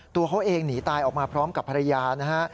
ตัวเขาเองหนีตายออกมาพร้อมกับภรรยานะฮะ